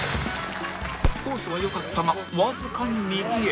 コースはよかったがわずかに右へ